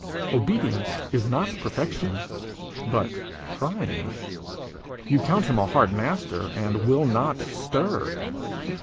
Obedience is not perfection, but trying. You count him a hard master, and will not stir.